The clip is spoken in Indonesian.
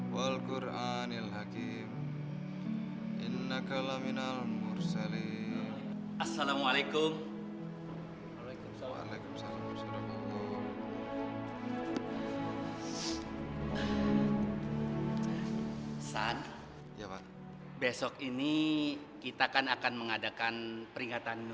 tolong berjawab jangan hilang